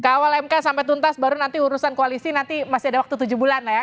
kawal mk sampai tuntas baru nanti urusan koalisi nanti masih ada waktu tujuh bulan lah ya